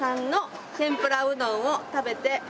「天ぷらうどんを食べて」